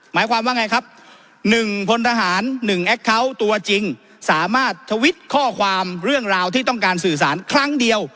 หมายความว่าไงครับ๑พลทหาร๑แอคเคาน์ตัวจริงสามารถทวิตข้อความเรื่องราวที่ต้องการสื่อสารครั้งเดียว